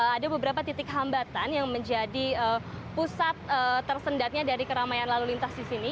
ada beberapa titik hambatan yang menjadi pusat tersendatnya dari keramaian lalu lintas di sini